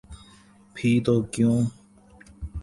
بھی تو کیوں؟